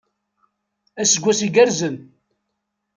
Aseggas iggerzen!